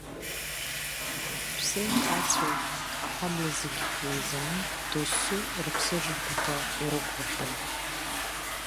Ҳәсеи-хацәеи аҳабла зегь еизаны дасу рыԥсыжырҭақәа ирықәлахьан.